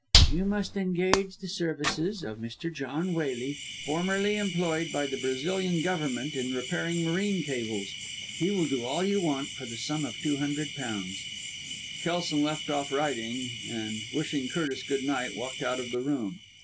"You must engage the services of Mr. John Waley, formerly employed by the Brazilian Government in repairing marine cables. He will do all you want for the sum of £200." Kelson left off writing, and, wishing Curtis good night, walked out of the room.